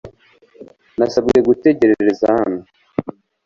Nasabwe gutegereza hano